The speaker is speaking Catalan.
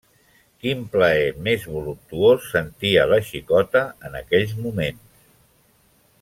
Quin plaer més voluptuós sentia la xicota en aquells moments!